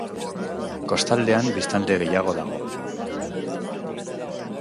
Kostaldean biztanle gehiago dago.